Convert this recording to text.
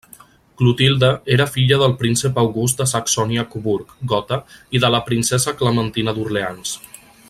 Clotilde era filla del príncep August de Saxònia-Coburg Gotha i de la princesa Clementina d'Orleans.